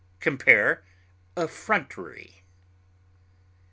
Compare EFFRONTERY.